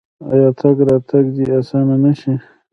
آیا تګ راتګ دې اسانه نشي؟